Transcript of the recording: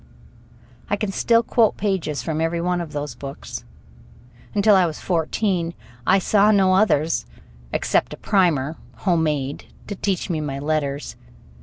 I can still quote pages from every one of those books. Until I was fourteen I saw no others, except a primer, homemade, to teach me my letters.